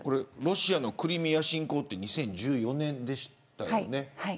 ロシアのクリミア侵攻は２０１４年でしたよね。